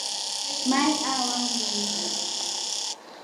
Mai aa mwiui.